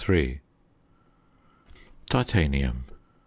9 TITANIUM.